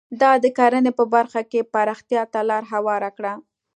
دا د کرنې په برخه کې پراختیا ته لار هواره کړه.